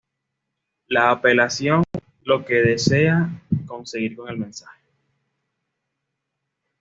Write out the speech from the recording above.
La apelación: lo que se desea conseguir con el mensaje.